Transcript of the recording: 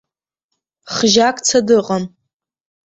Хжьакца дыҟам.